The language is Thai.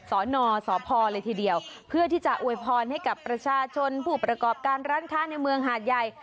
สอนอสพเลยทีเดียวเพื่อที่จะอวยพรให้กับประชาชนผู้ประกอบการร้านค้าในเมืองหาดใหญ่